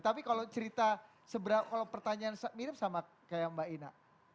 tapi kalau cerita kalau pertanyaan mirip sama kayak mbak ina